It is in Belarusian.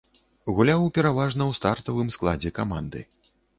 Гуляў пераважна ў стартавым складзе каманды.